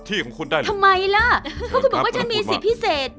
ทำไมล่ะเค้าคือบอกว่าฉันมีสิทธิพิเศษ